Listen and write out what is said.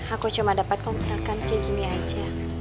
aku cuma dapat kontrakan kayak gini aja